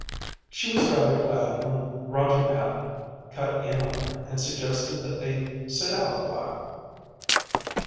She was rather glad when Roger Patton cut in on her and suggested that they sit out a while.